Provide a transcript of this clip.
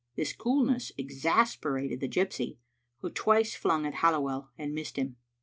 This coolness exasperated the gypsy, who twice flung at Halliwell and missed him.